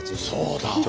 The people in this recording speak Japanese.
そうだ！